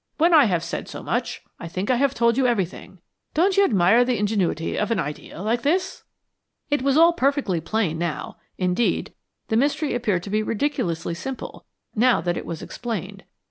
When I have said so much, I think I have told you everything. Don't you admire the ingenuity of an idea like this?" It was all perfectly plain now indeed, the mystery appeared to be ridiculously simple now that it was explained.